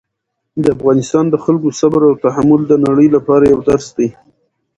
د افغانستان د خلکو صبر او تحمل د نړۍ لپاره یو درس دی.